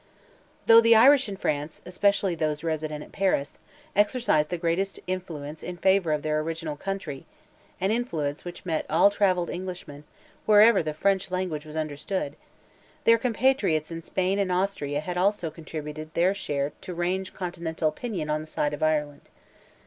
Though the Irish in France, especially those resident at Paris, exercised the greatest influence in favour of their original country—an influence which met all travelled Englishmen, wherever the French language was understood—their compatriots in Spain and Austria had also contributed their share to range Continental opinion on the side of Ireland.